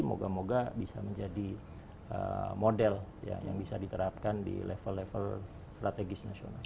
moga moga bisa menjadi model yang bisa diterapkan di level level strategis nasional